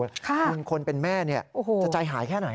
คุณคนเป็นแม่เนี่ยจะใจหายแค่ไหนอ่ะ